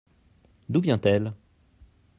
D'où vient-elle ?